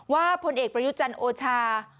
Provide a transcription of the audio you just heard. พลเอกประยุจันทร์โอชา